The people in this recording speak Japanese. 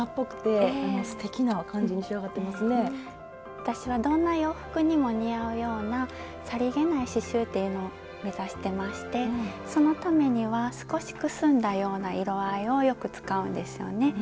私はどんな洋服にも似合うようなさりげない刺しゅうというのを目指してましてそのためには少しくすんだような色合いをよく使うんですよね。